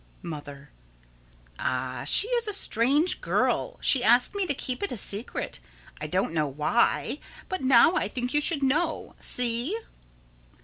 Mother: Ah, she is a strange girl! She asked me to keep it a secret, I don't know why, but now I think you should know. See!